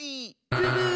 ブブー。